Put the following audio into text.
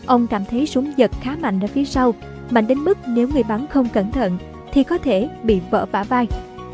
ông cảm thấy súng giật khá mạnh ở phía sau mạnh đến mức nếu người bắn không cẩn thận thì có thể bị vỡ bã vai